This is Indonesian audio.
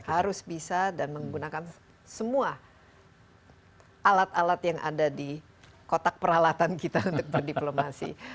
harus bisa dan menggunakan semua alat alat yang ada di kotak peralatan kita untuk berdiplomasi